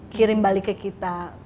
kirim balik ke kita